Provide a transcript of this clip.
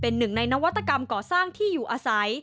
เป็นหนึ่งในนวัตกรรมก่อสร้างที่อยู่อาศัย